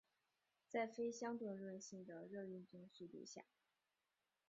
在非相对论性的热运动速度下。